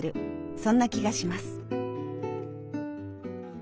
そんな気がします。